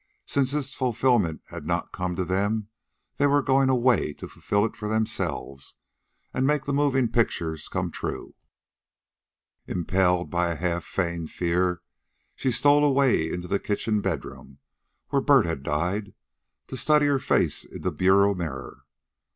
Since its fulfillment had not come to them, they were going away to fulfill it for themselves and make the moving pictures come true. Impelled by a half feigned fear, she stole away into the kitchen bedroom where Bert had died, to study her face in the bureau mirror.